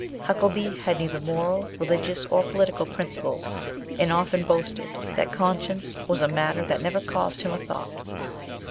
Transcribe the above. Huckelby had neither moral, religious, or political principles, and often boasted that conscience was a matter that never "cost" him a thought.